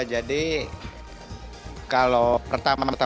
jadi kalau pertama tetap puasa